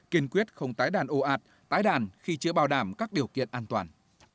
kiên quyết không tái đàn ồ ạt tái đàn khi chữa bảo đảm các điều kiện an toàn